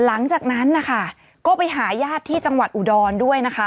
หลังจากนั้นนะคะก็ไปหาญาติที่จังหวัดอุดรด้วยนะคะ